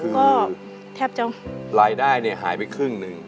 คือรายได้หายไปครึ่งหนึ่ง